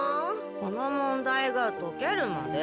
この問題が解けるまで。